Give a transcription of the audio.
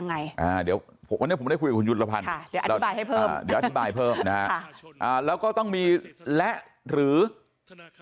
แล้วอาถิบายให้เพิ่ม